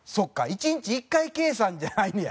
１日１回計算じゃないんや。